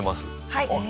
はい！